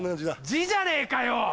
字じゃねえかよ！